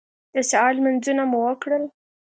د سهار لمونځونه مو وکړل.